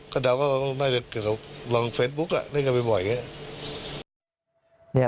ก็เดี๋ยวก็ลองเฟสบุ๊คเล่นกันบ่อยอย่างนี้